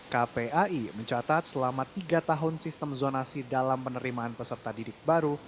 kpai mencatat selama tiga tahun sistem zonasi dalam penerimaan peserta didik baru